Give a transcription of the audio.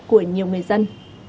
của nhiều người dân